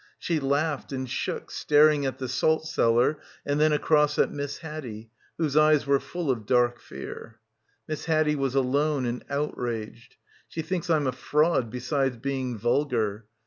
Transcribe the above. She laughed and shook staring at the salt cellar and then across at Miss Haddie whose eyes were full of dark fear. Miss Haddie was alone and outraged. "She thinks Pm a fraud besides being vulgar